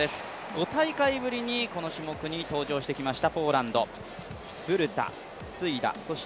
５大会ぶりにこの種目に登場してきました。